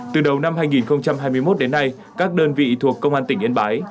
từ đầu năm hai nghìn hai mươi một đến nay các đơn vị thuộc công an tỉnh yên bái